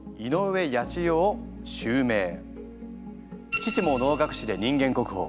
父も能楽師で人間国宝。